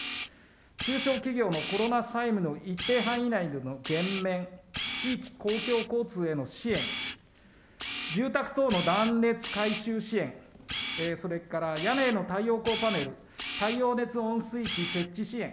中小企業のコロナ債務の一定範囲内での減免、地域公共交通への支援、住宅等の断熱改修支援、それから、屋根への太陽光パネル、太陽熱温水器設置支援。